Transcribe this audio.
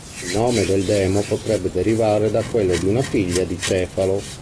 Il nome del demo potrebbe derivare da quello di una figlia di Cefalo.